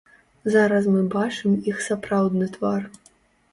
Зараз мы бачым іх сапраўдны твар.